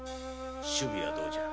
首尾はどうじゃ？